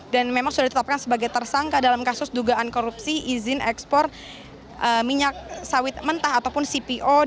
dan memang sudah ditetapkan sebagai tersangka dalam kasus dugaan korupsi izin ekspor minyak sawit mentah ataupun cpo